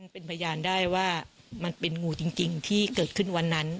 เป็นพยานได้ว่ามันเป็นงูจริงที่เกิดขึ้นวันนั้น